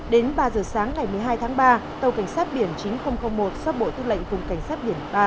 đến ba giờ sáng ngày một mươi hai tháng ba tàu cảnh sát biển chín nghìn một do bộ tư lệnh vùng cảnh sát biển ba